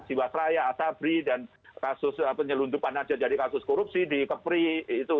siwasraya atabri dan penyelundupan aja jadi kasus korupsi di kepri itu